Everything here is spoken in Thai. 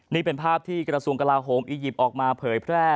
นี่เป็นภาพที่กระทรวงกลาโฮมอียิปต์ออกมาเผยแพร่